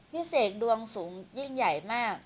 เสกดวงสูงยิ่งใหญ่มาก